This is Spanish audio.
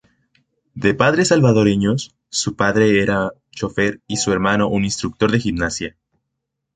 De padres salvadoreños, su padre era chófer y su hermano un instructor de gimnasia.